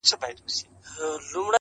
دښاغلی جهانی صاحب دغه شعر،